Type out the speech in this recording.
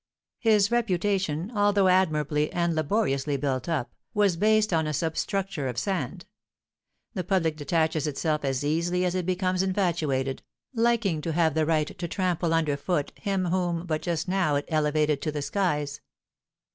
His reputation, although admirably and laboriously built up, was based on a substructure of sand. The public detaches itself as easily as it becomes infatuated, liking to have the right to trample under foot him whom but just now it elevated to the skies.